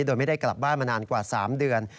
โดยไม่ได้กลับบ้านมานานกว่า๓เดือน